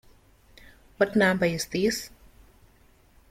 What number is this?